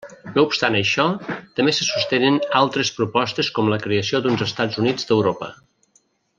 No obstant això, també se sostenen altres propostes com la creació d'uns Estats Units d'Europa.